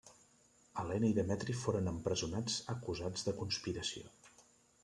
Elena i Demetri foren empresonats acusats de conspiració.